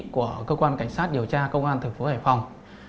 của cơ quan cảnh sát điều tra công an tp hải phòng